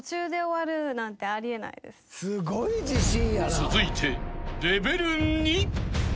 ［続いてレベル２］